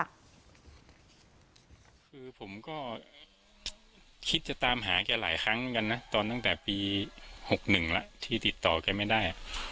คือผมก็คิดจะตามหาแกหลายครั้งเหมือนกันนะตอนตั้งแต่ปี๖๑แล้วที่ติดต่อแกไม่ได้